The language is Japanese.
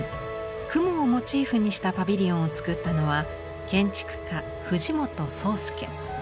雲をモチーフにしたパビリオンを作ったのは建築家藤本壮介。